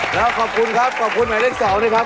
แล้วขอบคุณครับขอบคุณหมายเลข๒นะครับ